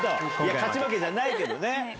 勝ち負けじゃないけどね。